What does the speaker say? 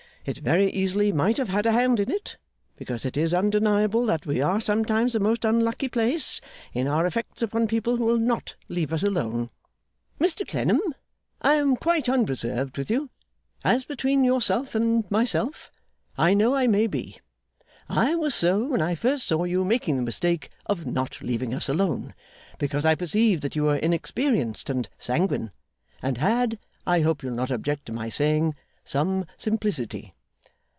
It very easily might have had a hand in it; because it is undeniable that we are sometimes a most unlucky place, in our effects upon people who will not leave us alone. Mr Clennam, I am quite unreserved with you. As between yourself and myself, I know I may be. I was so, when I first saw you making the mistake of not leaving us alone; because I perceived that you were inexperienced and sanguine, and had I hope you'll not object to my saying some simplicity?